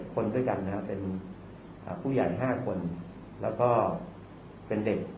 คนด้วยกันนะครับเป็นผู้ใหญ่๕คนแล้วก็เป็นเด็ก